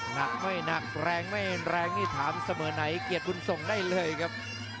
หนักไม่หนักแรงไม่แรงนี่ถามเสมอไหนเกียรติบุญส่งได้เลยครับ